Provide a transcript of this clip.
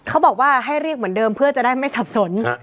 เขาบอกว่าให้เรียกเหมือนเดิมเพื่อจะได้ไม่สับสน